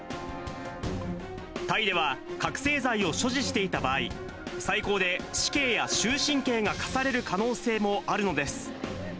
タイでは覚醒剤を所持していた場合、最高で死刑や終身刑が科される可能性もあるのです。